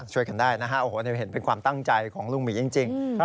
ช่วยกันได้นะฮะโอ้โหเห็นเป็นความตั้งใจของลุงหมีจริง